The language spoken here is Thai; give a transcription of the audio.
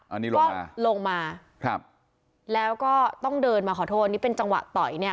อันนี้ลงก็ลงมาครับแล้วก็ต้องเดินมาขอโทษนี่เป็นจังหวะต่อยเนี่ย